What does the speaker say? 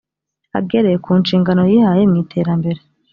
agere ku nshingano yihaye mu iterambere